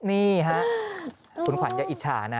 นี่ฮะคุณขวัญอย่าอิจฉานะ